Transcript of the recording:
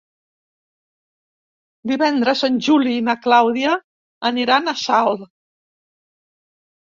Divendres en Juli i na Clàudia aniran a Salt.